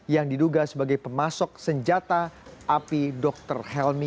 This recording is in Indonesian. yang diduga sebagai pemasok senjata api dr helmi